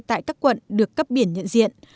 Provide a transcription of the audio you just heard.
tại các quận được cấp biển nhận diện